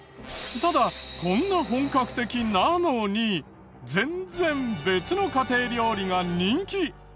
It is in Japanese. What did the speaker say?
ただこんな本格的なのに全然別の家庭料理が人気。